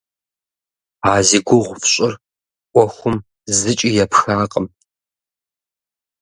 А зи гугъу фщӏыр ӏуэхум зыкӏи епхакъым.